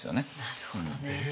なるほどね。